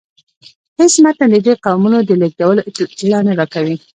هیڅ متن د دې قومونو د لیږدیدلو اطلاع نه راکوي.